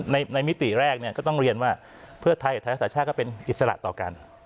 มิติแรกเนี่ยก็ต้องเรียนว่าเพื่อไทยกับไทยรักษาชาติก็เป็นอิสระต่อกัน